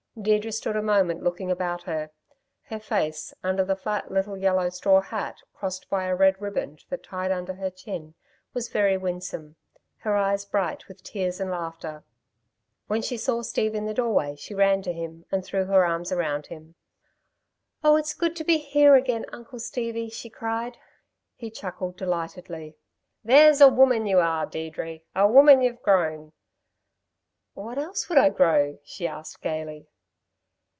Deirdre stood a moment looking about her. Her face, under the flat little yellow straw hat crossed by a red ribband that tied under her chin, was very winsome, her eyes bright with tears and laughter. When she saw Steve in the doorway, she ran to him and threw her arms around him. "Oh, it's good to be here again, Uncle Stevie," she cried. He chuckled delightedly. "There's a woman you are, Deirdre. A woman y've grown!" "What else would I grow?" she asked gaily.